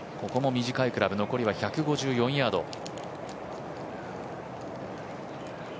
ここも短いクラブ残りは１５４ヤード。